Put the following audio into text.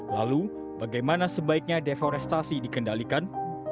lalu bagaimana sebaiknya deforestasi dikendalikan